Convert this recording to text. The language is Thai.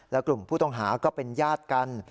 และกลุ่มผู้ต้องหาก็เป็นญาติกัน